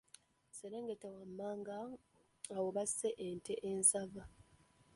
Serengeta wammanga awo basse ente ensava.